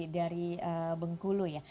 dari bengkulu ya